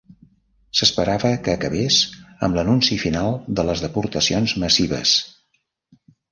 S'esperava que acabés amb l'anunci final de les deportacions massives.